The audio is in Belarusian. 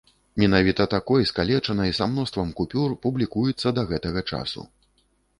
Менавіта такой, скалечанай, са мноствам купюр, публікуецца да гэтага часу.